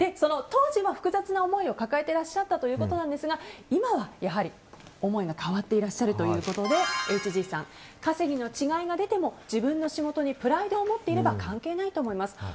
当時は複雑な思いを抱えていらっしゃったということですが今は思いが変わってるということでＨＧさん稼ぎの違いが出ても自分の仕事にプライドを持っていれば関係ないと思います。